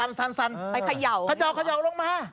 ไปเขย่าอย่างนี้เหรอครับเขย่าลงมา